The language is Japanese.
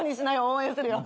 応援するよ。